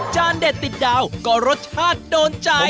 เด็ดติดดาวก็รสชาติโดนใจ